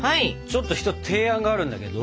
ちょっと一つ提案があるんだけど。